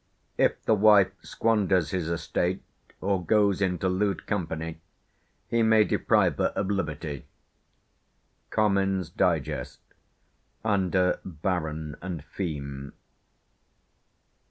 "If the wife squanders his estate, or goes into lewd company, he may deprive her of liberty" (Comyn's Digest, under "Baron and Feme").